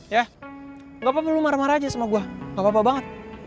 ya gapapa lo marah marah aja sama gue gapapa banget